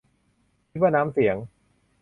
คิดว่าน้ำเสียง